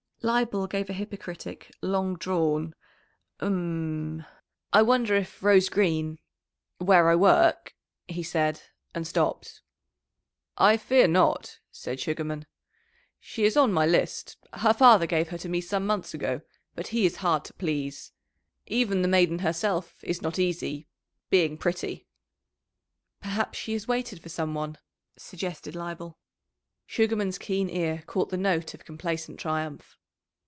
Leibel gave a hypocritic long drawn, "U m m m. I wonder if Rose Green where I work " he said, and stopped. "I fear not," said Sugarman. "She is on my list. Her father gave her to me some months ago, but he is hard to please. Even the maiden herself is not easy, being pretty." "Perhaps she has waited for some one," suggested Leibel. Sugarman's keen ear caught the note of complacent triumph.